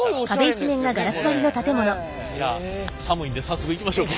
じゃあ寒いんで早速行きましょうか。